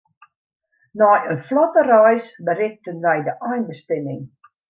Nei in flotte reis berikten wy de einbestimming.